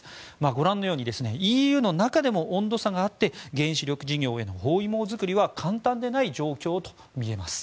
ご覧のようにＥＵの中でも温度差があって原子力事業への包囲網作りは簡単でない状況とみえます。